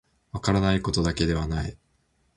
分からないことだけではない